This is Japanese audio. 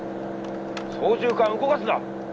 操縦かん動かすな！